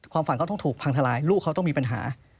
ฝั่งเขาต้องถูกพังทลายลูกเขาต้องมีปัญหา